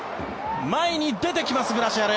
前に出てきます、グラシアル。